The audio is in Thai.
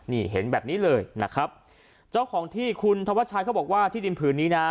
นี่เห็นแบบนี้เลยนะครับเจ้าของที่คุณธวัชชัยเขาบอกว่าที่ดินผืนนี้นะ